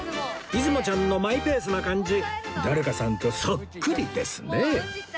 いずもちゃんのマイペースな感じ誰かさんとそっくりですね